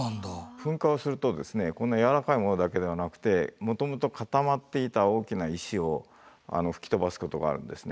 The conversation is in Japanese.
噴火をするとですねこのやわらかいものだけではなくてもともと固まっていた大きな石を吹き飛ばすことがあるんですね。